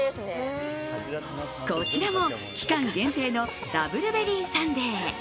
こちらも期間限定のダブルベリーサンデー。